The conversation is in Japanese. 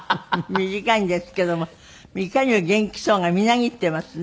短いんですけどもいかにも元気そうがみなぎってますね。